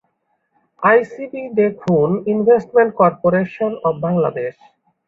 ICB দেখুন investment corporation of Bangladesh.